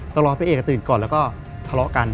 ต้องรอให้พระเอกตื่นก่อนแล้วก็คะล้อกัน